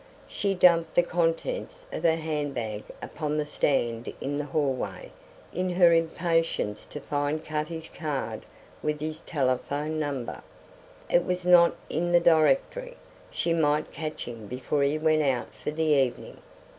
She dumped the contents of her handbag upon the stand in the hallway in her impatience to find Cutty's card with his telephone number. It was not in the directory. She might catch him before he went out for the evening.